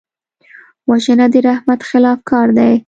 وژنه د رحمت خلاف کار دی